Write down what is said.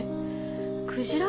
クジラ？